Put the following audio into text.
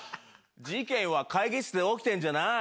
事件は会議室で起きてるんじゃない。